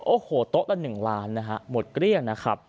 โอ้โหโต๊ะละ๑ล้านนะฮะหมดเกลี้ยงนะครับ